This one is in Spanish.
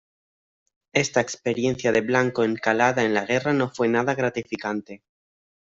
Esta experiencia de Blanco Encalada en la guerra no fue nada gratificante.